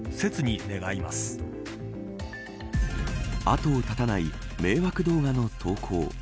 後を絶たない迷惑動画の投稿。